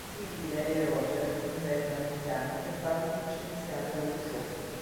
Quindi lei e Roger inventano un piano per farla licenziare dallo show.